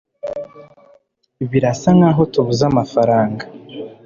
Birasa nkaho tubuze amafaranga